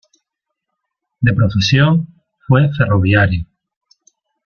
De profesión fue ferroviario.